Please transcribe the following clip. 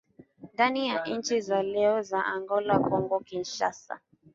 ndani ya nchi za leo za Angola Kongo Kinshasa